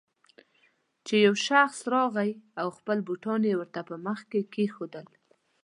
چې يو شخص راغی او خپل بوټونه يې ورته په مخ کې کېښودل.